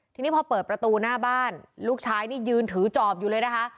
ทีนี้พอเปิดประตูหน้าบ้านลูกชายนี่ยืนถือจอบอยู่เลยนะคะ